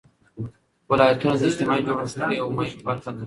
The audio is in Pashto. ولایتونه د اجتماعي جوړښت یوه مهمه برخه ده.